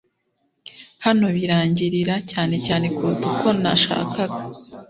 Hano birangirira" cyane cyane kuruta uko nashakaga.